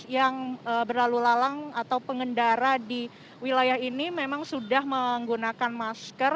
yang berlalu lalang atau pengendara di wilayah ini memang sudah menggunakan masker